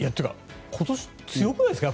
今年、強くないですか？